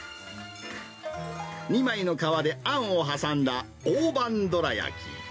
２枚の皮であんを挟んだ大判どらやき。